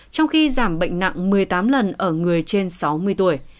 trong khi giảm bệnh nặng một mươi tám lần ở người trên sáu mươi tuổi